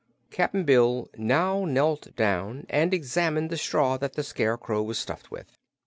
Cap'n Bill now knelt down and examined the straw that the Scarecrow was stuffed with.